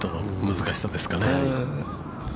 難しさですかね。